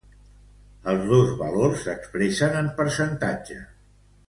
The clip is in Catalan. Els dos valors s'expressen en percentatge.